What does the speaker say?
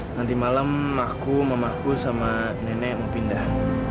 nanti malam aku mamaku sama nenek mau pindah